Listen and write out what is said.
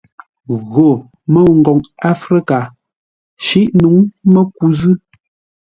Gho, môu ngoŋ áfrə́ka, shîʼ nǔŋ məku zʉ̂.